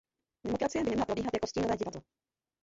Demokracie by neměla probíhat jako stínové divadlo.